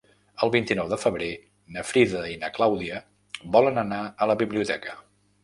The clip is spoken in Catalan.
El vint-i-nou de febrer na Frida i na Clàudia volen anar a la biblioteca.